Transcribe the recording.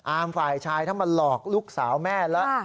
ฝ่ายชายถ้ามาหลอกลูกสาวแม่แล้ว